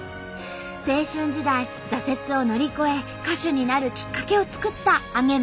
青春時代挫折を乗り越え歌手になるきっかけを作ったアゲメシでした。